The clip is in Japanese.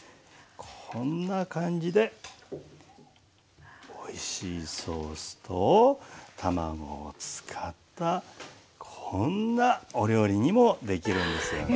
こんな感じでおいしいソースと卵を使ったこんなお料理にもできるんですよね。